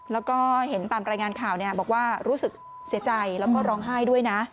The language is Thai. แล้วก็เห็นตามรายงานข่าวบอกว่ารู้สึกเสียใจแล้วก็ร้องไห้ด้วยนะ